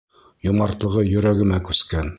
Йомартлығы йөрәгемә күскән.